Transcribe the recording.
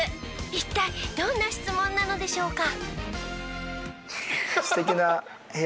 一体どんな質問なのでしょうか？